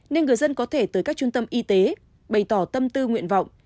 nên người dân có thể tới các trung tâm y tế bày tỏ tâm tư nguyện vọng